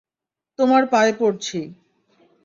তোমার পায়ে পড়ছি!